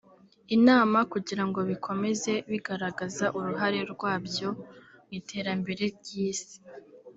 inama kugira ngo bikomeze bigaragaza uruhare rwabyo mu iterambere ry’Isi